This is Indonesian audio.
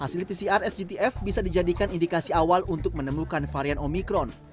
hasil pcr sgtf bisa dijadikan indikasi awal untuk menemukan varian omikron